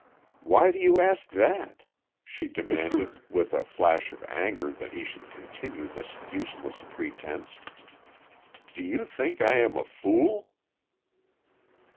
"Why do you ask that?" she demanded with a flash of anger that he should continue this useless pretence. "Do you think I am a fool?"